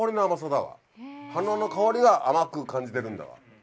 花の香りが甘く感じてるんだわ。